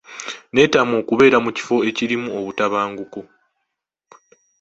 Neetamwa okubeera mu kifo ekirimu butabanguko.